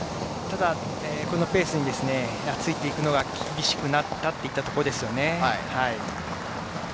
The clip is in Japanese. ペースについていくのが厳しくなってきたといったところですね。